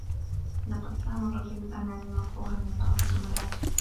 لقد كان الرجل الأناني مكروها من طرف زملائه.